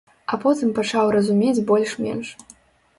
А потым пачаў разумець больш-менш.